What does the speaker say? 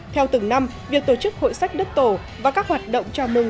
theo từng năm việc tổ chức hội sách đất tổ và các hoạt động chào mừng